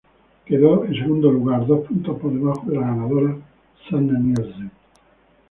Quedó en segundo lugar, dos puntos por debajo de la ganadora, Sanna Nielsen.